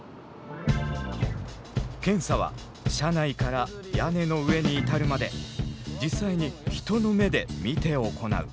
検査は車内から屋根の上に至るまで実際に人の目で見て行う。